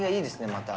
また。